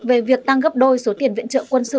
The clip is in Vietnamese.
về việc tăng gấp đôi số tiền viện trợ quân sự